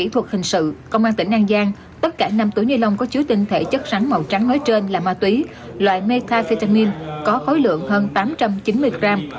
tinh thể chất rắn màu trắng nói trên là ma túy loại metafetamin có khối lượng hơn tám trăm chín mươi gram